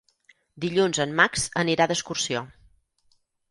Dilluns en Max anirà d'excursió.